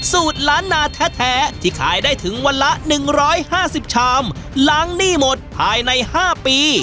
สู่ร้านหนาแท้แท้ที่ขายได้ถึงวันละหนึ่งร้อยห้าสิบชามล้างหนี้หมดภายในห้าปี